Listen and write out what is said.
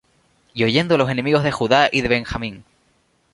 Y oyendo los enemigos de Judá y de Benjamín.